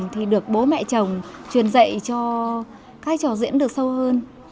thì được bố mẹ chồng truyền dạy cho các trò diễn được sâu hơn